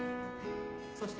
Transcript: そして。